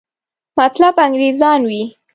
مطلب انګریزان وي.